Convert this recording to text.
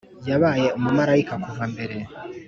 yabaye umumarayika kuva mbere,